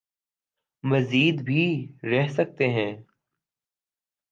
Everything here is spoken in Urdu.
مزید بھی رہ سکتے ہیں۔